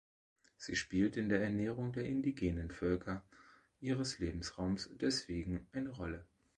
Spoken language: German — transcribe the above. Sie spielt in der Ernährung der indigenen Völker ihres Lebensraumes deswegen eine Rolle.